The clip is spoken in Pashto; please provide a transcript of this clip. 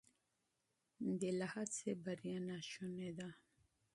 بې له هڅې بریا ناممکنه ده.